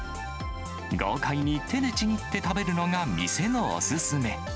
豪快に手でちぎって食べるのが店のお勧め。